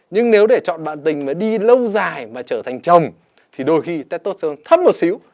nhưng nếu để chọn đoạn tình mà đi lâu dài mà trở thành chồng thì đôi khi tét tốt xe luôn thấp một xíu